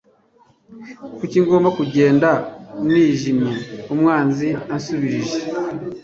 Kuki nagomba kugenda nijimye umwanzi ansumbirije ?»